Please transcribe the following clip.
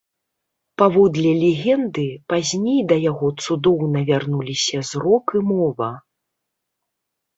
Паводле легенды, пазней да яго цудоўна вярнуліся зрок і мова.